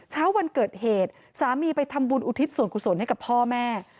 เช้าวันเกิดเหตุสามีไปทำบุญอุทิศส่วนกุศลให้กับพ่อแม่